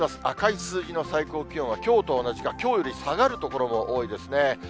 赤い数字の最高気温は、きょうと同じか、きょうより下がる所も多いですね。